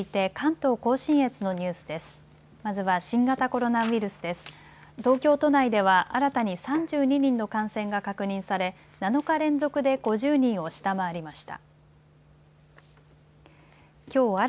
東京都内では新たに３２人の感染が確認され７日連続で５０人を下回りました。